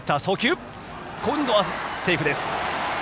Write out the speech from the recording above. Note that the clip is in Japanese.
今度はセーフです。